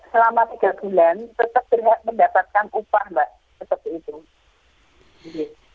selama tiga bulan tetap mendapatkan upah mbak